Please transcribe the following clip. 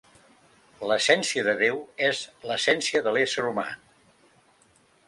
L'essència de Déu és l'essència de l'ésser humà.